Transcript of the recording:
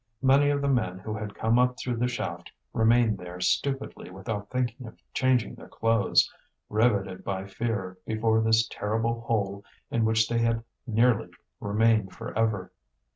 Many of the men who had come up from the shaft remained there stupidly without thinking of changing their clothes, riveted by fear before this terrible hole in which they had nearly remained for ever.